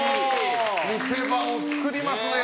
見せ場を作りますね。